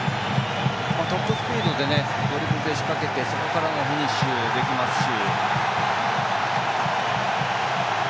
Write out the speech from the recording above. トップスピードでドリブルで仕掛けてそこからフィニッシュもできますし。